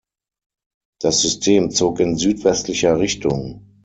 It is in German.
Das System zog in südwestlicher Richtung.